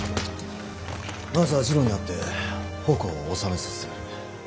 まずは次郎に会って矛を収めさせてくる。